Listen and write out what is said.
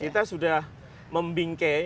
kita sudah membingke